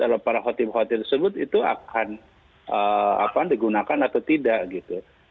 kalau para khotib khotib tersebut itu akan digunakan atau tidak gitu